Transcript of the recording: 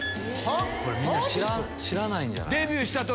みんな知らないんじゃない？